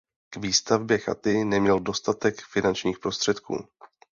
K výstavbě chaty neměl dostatek finančních prostředků.